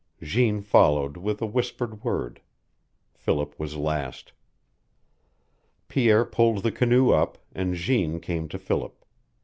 Jeanne followed, with a whispered word. Philip was last. Pierre pulled the canoe up, and Jeanne came to Philip.